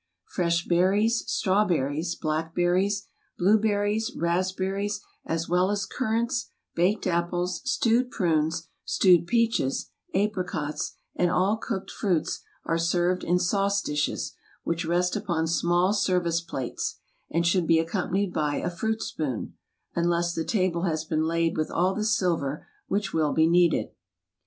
Fresh berries, strawberries, black berries, blueberries, raspberries, as well as currants, baked apples, stewed prunes, stewed peaches, apri cots, and all cooked fruits are served in sauce dishes which rest upon small service plates, and should be accom panied by a fruit spoon, unless the table has been laid with all the silver which will be needed.